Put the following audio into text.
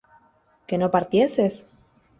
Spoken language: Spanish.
¿que no partieses?